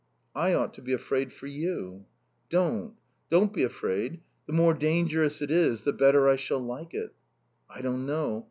"I ought to be afraid for you." "Don't. Don't be afraid. The more dangerous it is the better I shall like it." "I don't know.